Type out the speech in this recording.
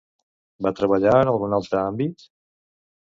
Va treballar en algun altre àmbit?